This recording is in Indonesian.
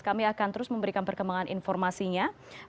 kami akan terus memberikan perkembangan informasinya